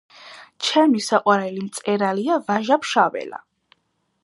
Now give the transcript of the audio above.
ჩემი საყვარელი მწერალია ვაჟა ფშაველა